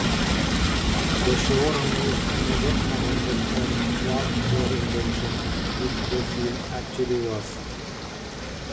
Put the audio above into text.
The showrunners never commented on what their intention with the scene actually was.